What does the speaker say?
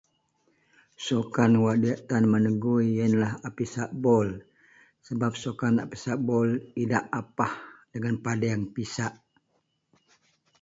Sukan wak diyak tan bak negui yenlah a pisak bol, sebap sukan a pisak bol idak apah dagen padaeng pisak.